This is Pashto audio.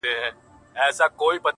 په وږې خېټه غومبر نه کېږي.